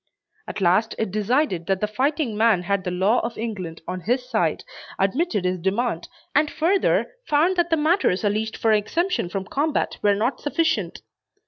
At last it decided that the fighting man had the law of England on his side, admitted his demand, and further, found that the matters alleged for exemption from combat were not sufficient.